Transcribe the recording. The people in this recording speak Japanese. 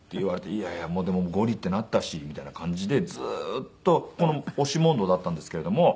「いやいやもうでもゴリってなったし」みたいな感じでずーっと押し問答だったんですけれども。